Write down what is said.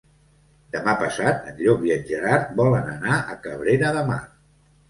Demà passat en Llop i en Gerard volen anar a Cabrera de Mar.